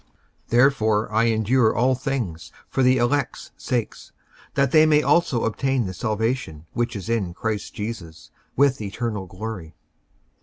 55:002:010 Therefore I endure all things for the elect's sakes, that they may also obtain the salvation which is in Christ Jesus with eternal glory.